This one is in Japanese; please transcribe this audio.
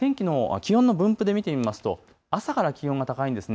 気温の分布で見てみますと朝から気温が高いんですね。